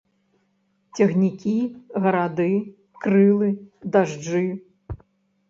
Цягнікі, гарады, крылы, дажджы.